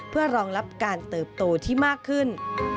เพื่อรองรับการเติบโตที่มากขึ้น